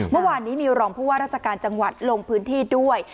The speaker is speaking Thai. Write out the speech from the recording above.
เมื่อวานนี้มีรองผู้ว่าราชการจังหวัดลงพื้นที่ด้วย